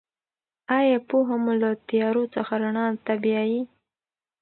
آیا پوهه مو له تیارو څخه رڼا ته بیايي؟